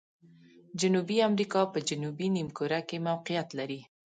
جنوبي امریکا په جنوبي نیمه کره کې موقعیت لري.